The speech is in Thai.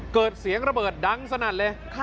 เกิดเสียงระเบิดดังสนั่นเลย